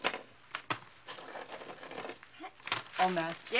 おまけ。